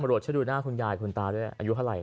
ช่วยดูหน้าคุณยายคุณตาด้วยอายุเท่าไหร